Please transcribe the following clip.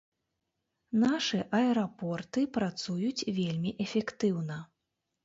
Нашы аэрапорты працуюць вельмі эфектыўна.